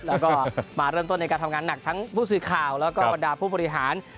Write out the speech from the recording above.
แล้วก็มาเริ่มต้นในการทำงานหนักทั้งผู้สื่อข่าวแล้วก็บรรดาผู้บริหาร